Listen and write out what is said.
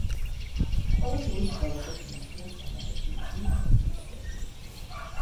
ყველა დროის ყველაზე ფინანსურად წარმატებული კინო პროდიუსერი.